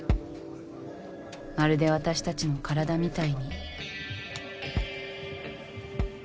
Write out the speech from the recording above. まるで私たちの体みたいに。